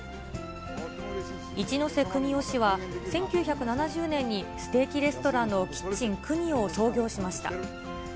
一瀬邦夫氏は、１９７０年にステーキレストランのキッチンくにを創業しました。